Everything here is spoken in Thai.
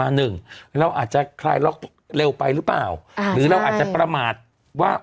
อ่ะอังคือแซมเนียปงึกว่าจะทำอะไร